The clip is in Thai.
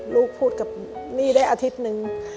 ลูกพูดกับนี่ได้อาทิตย์นึง